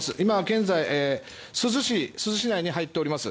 現在珠洲市内に入っております。